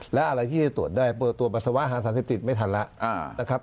และอะไรที่จะตรวจได้เปิดตรวจปัสสาวะหาสารเสพติดไม่ทันแล้วนะครับ